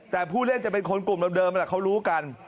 แต่ผู้เล่นจะเป็นคนกลุ่มเหล่าเดิมเขารู้กัน